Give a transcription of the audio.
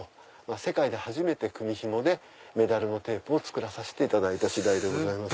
世界で初めて組み紐でメダルのテープを作らさせていただいた次第です。